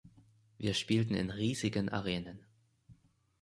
Wir spielten in riesigen Arenen.